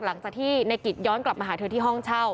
หลังจากที่ในกิจย้อนกลับมาหาเธอที่ห้องเช่า